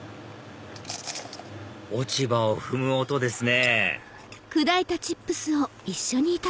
落ち葉を踏む音ですね